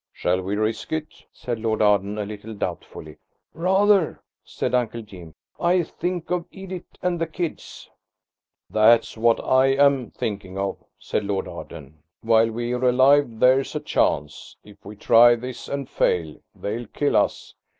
"Shall we risk it?" said Lord Arden, a little doubtfully. "Rather!" said Uncle Jim; "think of Edith and the kids." "That's what I am thinking of," said Lord Arden; "while we're alive there's a chance. If we try this and fail, they'll kill us."